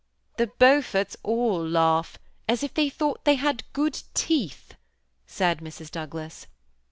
^ The Beauibrts all laugh as if they thought they had good teeth," said Mrs. Douglas.